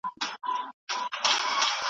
د پښتونخوا غرونه به یې ږغ ساتي